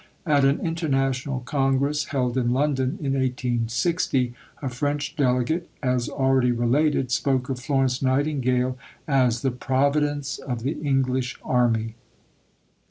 At an International Congress held in London in 1860 a French delegate, as already related, spoke of Florence Nightingale as "the Providence of the English Army."